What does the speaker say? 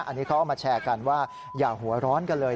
อันนี้เขาเอามาแชร์กันว่าอย่าหัวร้อนกันเลย